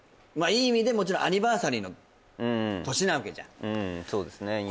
まあいい意味でもちろんアニバーサリーの年なわけじゃんうんうんそうですね